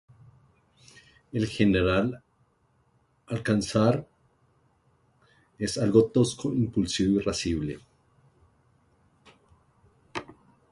El general Alcázar es algo tosco, impulsivo e irascible.